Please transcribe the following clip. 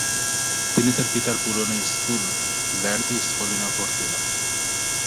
তিনি তার পিতার পুরনো স্কুল ল্যার্দি স্কোলিনে ভর্তি হন।